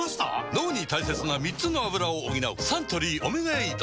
脳に大切な３つのアブラを補うサントリー「オメガエイド」